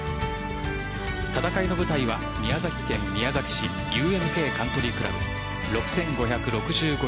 戦いの舞台は宮崎県宮崎市ＵＭＫカントリークラブ６５６５